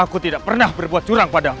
aku tidak pernah berbuat curang padamu